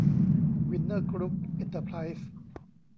วินเนอร์กรุ๊ป เอ็นเตอร์ไพรซ์